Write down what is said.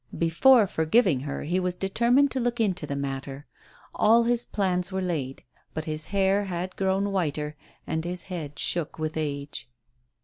Before forgiving her he was deter MADEMOISELLE FLA VIE. 77 mined to look into the matter. All his plans were laid. But his hair had grown whiter, and his head shook with age.